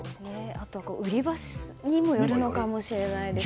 あと、売り場にもよるのかもしれないですね。